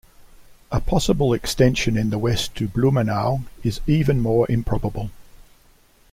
A possible extension in the west to "Blumenau" is even more improbable.